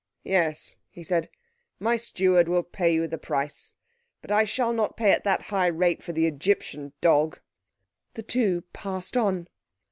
"Yes," he said, "my steward will pay you the price. But I shall not pay at that high rate for the Egyptian dog." The two passed on.